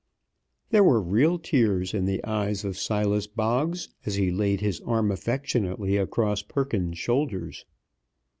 There were real tears in the eyes of Silas Boggs, as he laid his arm affectionately across Perkins's shoulders.